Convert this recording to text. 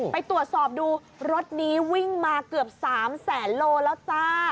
ไปตรวจสอบดูรถนี้วิ่งมาเกือบ๓แสนโลแล้วจ้า